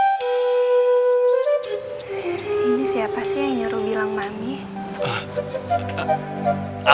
ini siapa sih yang nyuruh bilang mami